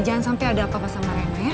jangan sampai ada apa apa sama rena ya